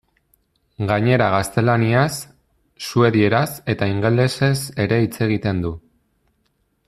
Gainera gaztelaniaz, suedieraz eta ingelesez ere hitz egiten du.